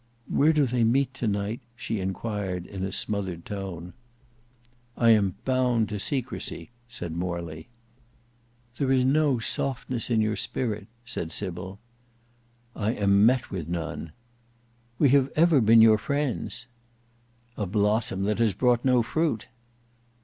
"Where do they meet to night?" she inquired, in a smothered tone. "I am bound to secrecy," said Morley. "There is no softness in your spirit," said Sybil. "I am met with none." "We have ever been your friends." "A blossom that has brought no fruit."